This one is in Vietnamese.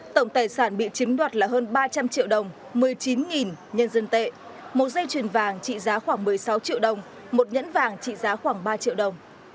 tổng tài sản bị chiếm đoạt là hơn ba trăm linh triệu đồng một mươi chín nhân dân tệ một dây chuyền vàng trị giá khoảng một mươi sáu triệu đồng một nhẫn vàng trị giá khoảng ba triệu đồng